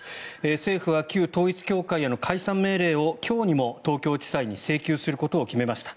政府は旧統一教会への解散命令を今日にも東京地裁に請求することを決めました。